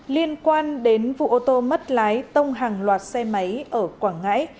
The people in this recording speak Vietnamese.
liên quan đến vụ ô tô mất lái tông hàng loạt xe máy ở quảng ngãi